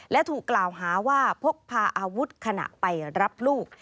และถูกกล่าวหาว่าพกพาอาวุธขณะไปรับลูก